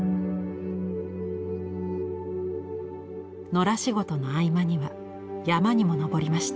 野良仕事の合間には山にも登りました。